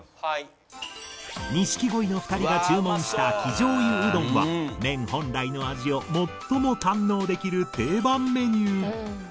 錦鯉の２人が注文した生醤油うどんは麺本来の味を最も堪能できる定番メニュー